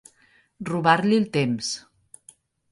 Robar-li el temps.